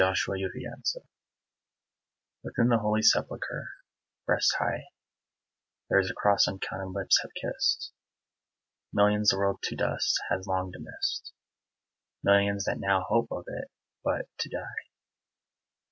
THE CROSS OF THE SEPULCHRE Within the Holy Sepulchre, breast high, There is a cross uncounted lips have kissed, Millions the world to dust has long dismissed, Millions that now hope of it but to die.